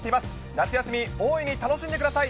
夏休み大いに楽しんでください。